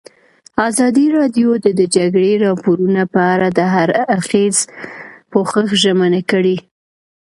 ازادي راډیو د د جګړې راپورونه په اړه د هر اړخیز پوښښ ژمنه کړې.